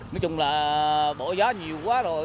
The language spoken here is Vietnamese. nói chung là bộ gió nhiều quá rồi